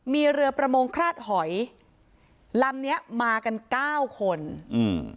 มีเรือประมงคราดหอยลำเนี้ยมากันเก้าคนอืม